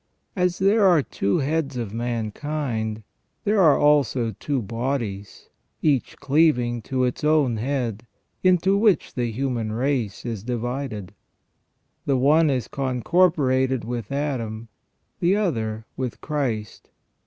* As there are two heads of mankind, there are also two bodies, each cleaving to its own head, into which the human race is divided. The one is concorporated with Adam, the other with Christ.